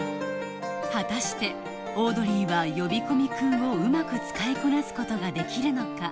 果たしてオードリーは「呼び込み君」をうまく使いこなすことができるのか？